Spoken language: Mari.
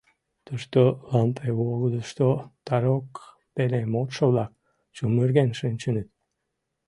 Тушто лампе волгыдышто тарокк дене модшо-влак чумырген шинчыныт.